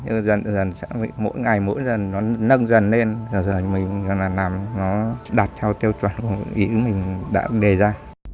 nhưng mà dần dần sẽ mỗi ngày mỗi dần nó nâng dần lên giờ giờ mình làm nó đạt theo theo chuẩn của ý mình đã đề ra